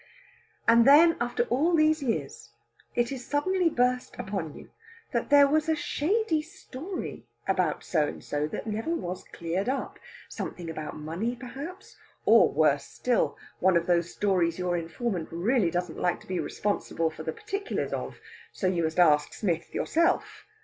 And then, after all these years, it is suddenly burst upon you that there was a shady story about So and so that never was cleared up something about money, perhaps; or, worse still, one of those stories your informant really doesn't like to be responsible for the particulars of; you must ask Smith yourself.